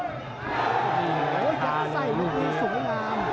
โอ้ยักษ์ไส้มันคือสูงงาม